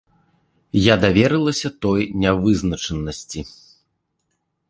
Я даверылася той нявызначанасці.